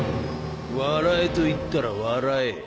笑えと言ったら笑え。